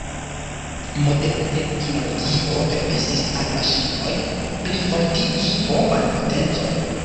Moderna teknologio permesis al maŝinoj plifortigi homan potencon.